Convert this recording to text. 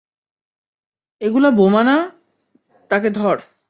এই গুলা বোম না, তাকে ধর!